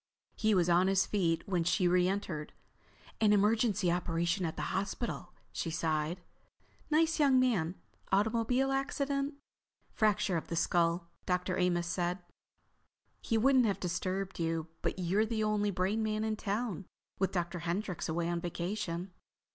He was on his feet when she reentered. "An emergency operation at the hospital," she sighed. "Nice young man—automobile accident. Fracture of the skull, Dr. Amos says. He wouldn't have disturbed you but you're the only brain man in town, with Dr. Hendryx away on vacation."